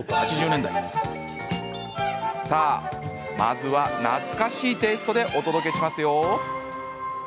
さあ、まずは懐かしいテイストでお届けしますよ。